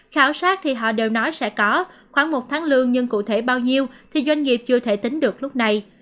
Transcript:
khảo sát thì họ đều nói sẽ có khoảng một tháng lương nhưng cụ thể bao nhiêu thì doanh nghiệp chưa thể tính được lúc này